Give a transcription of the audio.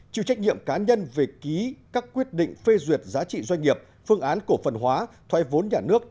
chịu trách nhiệm cá nhân về ký các quyết định phê duyệt giá trị doanh nghiệp phương án cổ phần hóa thoái vốn nhà nước